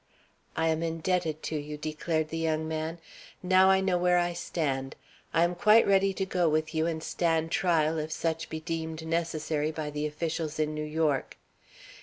"I am indebted to you," declared the young man. "Now I know where I stand. I am quite ready to go with you and stand trial, if such be deemed necessary by the officials in New York.